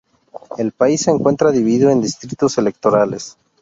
El país se encuentra dividido en distritos electorales.